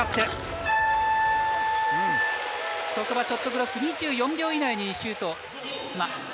ショットブロック２４秒以内にシュート。